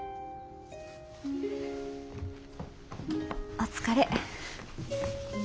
お疲れ。